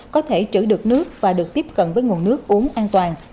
chữ được nước và được tiếp cận với nguồn nước uống an toàn